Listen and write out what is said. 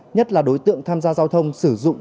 nhất là đối tượng tham gia giao thông sử dụng